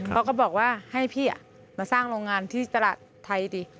เขาก็บอกว่าให้พี่มาสร้างโรงงานที่ตลาดไทยดิ